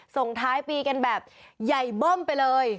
ส่งท้ายปีกันแบบใหญ่เบิ้มไปเลย